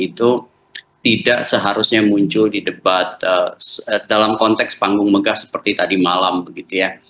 itu tidak seharusnya muncul di debat dalam konteks panggung megah seperti tadi malam begitu ya